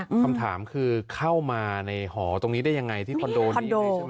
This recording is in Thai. คำถามคือเข้ามาในหอตรงนี้ได้ยังไงที่คอนโดนี้เลยใช่ไหม